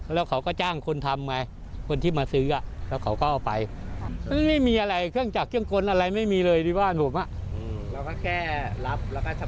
แล้วก็ทำแหลกให้เขาใช่ไหมครับ